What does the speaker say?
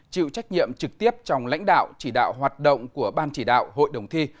chịu trách nhiệm trực tiếp trong lãnh đạo chỉ đạo hoạt động của ban chỉ đạo hội đồng thi